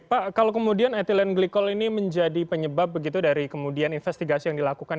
pak kalau kemudian ethylene glycol ini menjadi penyebab begitu dari kemudian investigasi yang dilakukan